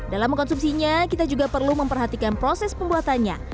dalam mengkonsumsinya kita juga perlu memperhatikan proses pembuatannya